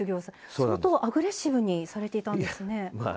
相当アグレッシブにされていたんですね。